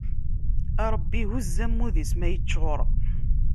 A Ṛebbi, huzz ammud-is ma iččuṛ!